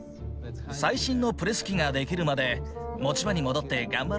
最新のプレス機ができるまで持ち場に戻って頑張ろう。